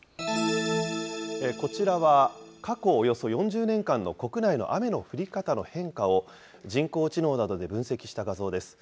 こちらは過去およそ４０年間の国内の雨の降り方の変化を、人工知能などで分析した画像です。